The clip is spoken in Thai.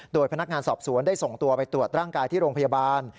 โดยพนักงานสอบสวนได้ส่งตัวไปตรวจร่างกายที่โรงพยาบาล